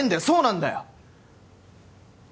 そうなんだよ！